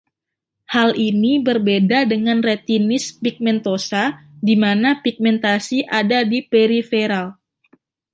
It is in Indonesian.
Hal ini berbeda dengan retinitis pigmentosa di mana pigmentasi ada di periferal.